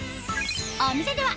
お店では